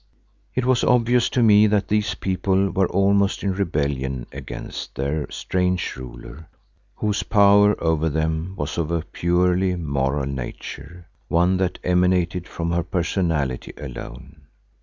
It was obvious to me that these people were almost in rebellion against their strange ruler, whose power over them was of a purely moral nature, one that emanated from her personality alone.